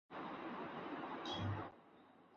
文久三年。